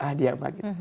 ah diamlah gitu